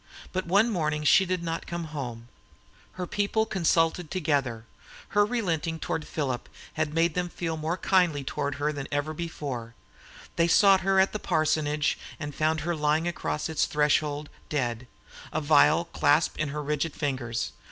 But one morning she did not come home; her people consulted together; her relenting toward Philip had made them feel more kindly toward her than ever before; they sought her at the parsonage and found her lying across its threshold dead, a vial clasped in her rigid fingers.